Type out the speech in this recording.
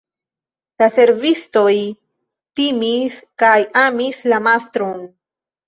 La servistoj timis kaj amis la mastron.